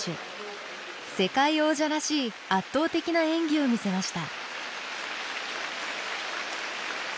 世界王者らしい圧倒的な演技を見せました。